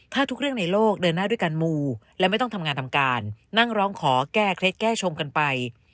ถ้าทุกเรื่องในโลกเดินหน้าด้วยการมูและไม่ต้องทำงานทำการนั่งร้องขอแก้เคล็ดแก้ชงกันไป